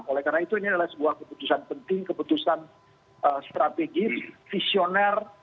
oleh karena itu ini adalah sebuah keputusan penting keputusan strategis visioner